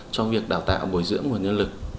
cho việc đào tạo bồi dưỡng nguồn nhân lực